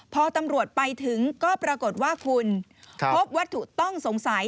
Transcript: พอตำรวจไปถึงก็ปรากฏว่าคุณพบวัตถุต้องสงสัย